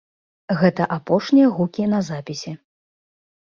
Гэта апошнія гукі на запісе.